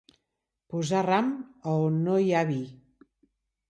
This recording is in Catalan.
Posar ram a on no hi ha vi.